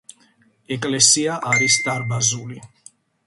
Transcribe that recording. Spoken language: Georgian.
ეკლესია არის დარბაზული.